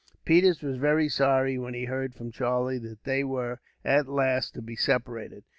Peters was very sorry when he heard from Charlie that they were, at last, to be separated.